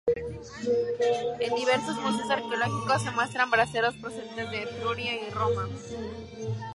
En diversos museos arqueológicos, se muestran braseros procedentes de Etruria y Roma.